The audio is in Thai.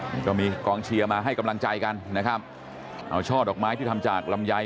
นี่ก็มีกองเชียร์มาให้กำลังใจกันนะครับเอาช่อดอกไม้ที่ทำจากลำไย